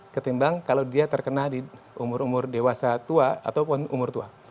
ketimbang kalau dia terkena di umur umur dewasa tua ataupun umur tua